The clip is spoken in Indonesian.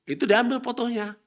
itu diambil foto nya